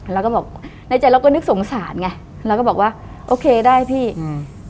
แล้วก็บอกในใจเราก็นึกสงสารไงเราก็บอกว่าโอเคได้พี่อืม